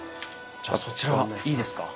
じゃあそちらいいですか？